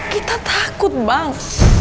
kita takut bang